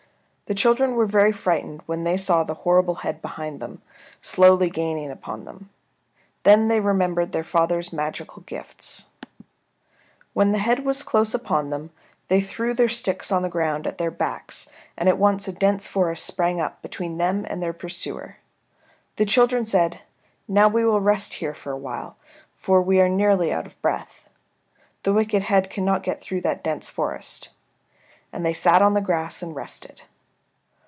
The children were very frightened when they saw the horrible head behind them, slowly gaining upon them. Then they remembered their father's magic gifts. When the head was close upon them, they threw their sticks on the ground at their backs and at once a dense forest sprang up between them and their pursuer. The children said, "Now we will rest here for a while, for we are nearly out of breath. The wicked head cannot get through that dense forest." And they sat on the grass and rested.